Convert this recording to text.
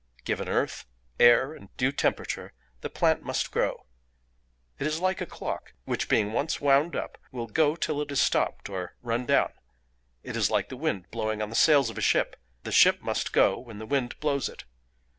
Given earth, air, and due temperature, the plant must grow: it is like a clock, which being once wound up will go till it is stopped or run down: it is like the wind blowing on the sails of a ship—the ship must go when the wind blows it.